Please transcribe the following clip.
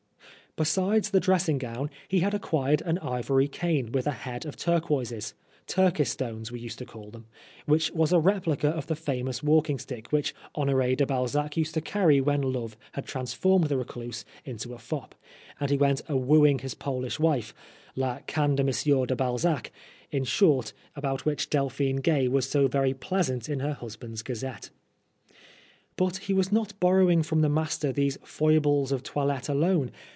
Besides the dressing gown, he had acquired an ivory cane with a head of turquoises turkis stones we used to call them which was a replica of the famous walking stick which Honore de Balzac used to carry when love had transformed the recluse into a fop, and he went a wooing his Polish wife " La Canne de Monsieur de Balzac," in short, about which 26 Oscar Wilde Delphine Gay was so very pleasant in her husband's gazette. * But he was not borrowing from the master these foibles of toilette alone.